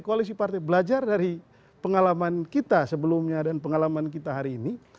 koalisi partai belajar dari pengalaman kita sebelumnya dan pengalaman kita hari ini